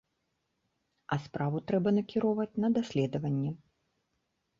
А справу трэба накіроўваць на даследаванне.